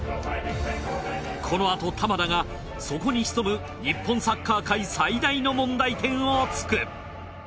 このあと玉田がそこに潜む日本サッカー界最大の問題点を突く！